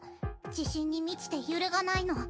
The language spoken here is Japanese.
自信に満ちて揺るがないの。